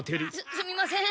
すみません。